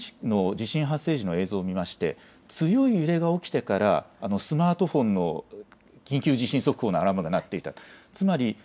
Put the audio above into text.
あと、私先ほど、現地の地震発生時の映像を見まして、強い揺れが起きてから、スマートフォンの緊急地震速報のアラームが鳴っていた。